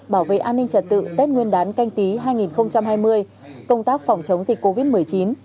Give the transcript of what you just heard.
bảo vệ an ninh trật tự tết nguyên đán canh tí hai nghìn hai mươi công tác phòng chống dịch covid một mươi chín